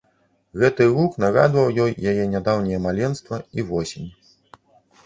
Гэты гук нагадваў ёй яе нядаўняе маленства і восень.